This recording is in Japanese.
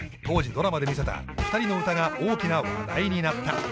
当時ドラマで見せた２人の歌が大きな話題になった。